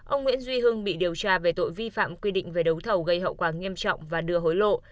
ông nguyễn duy hưng bị điều tra về tội vi phạm quy định về đấu thầu gây hậu quả nghiêm trọng và đưa hối lộ